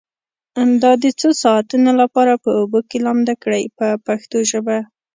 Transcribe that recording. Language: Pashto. دا د څو ساعتونو لپاره په اوبو کې لامده کړئ په پښتو ژبه.